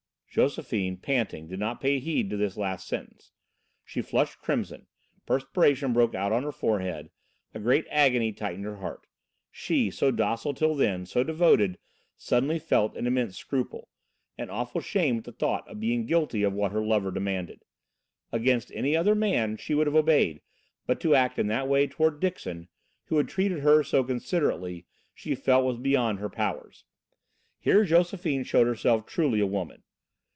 Josephine, panting, did not pay heed to this last sentence. She flushed crimson, perspiration broke out on her forehead, a great agony tightened her heart. She, so docile till then, so devoted, suddenly felt an immense scruple, an awful shame at the thought of being guilty of what her lover demanded. Against any other man, she would have obeyed, but to act in that way toward Dixon, who had treated her so considerately, she felt was beyond her powers. Here Josephine showed herself truly a woman.